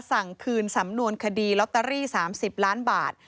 สั่งคืนสำนวนคดีลอตเตอรี่๓๐ล้านบาท